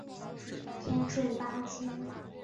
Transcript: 天顺八年甲申科进士第二甲第十六名。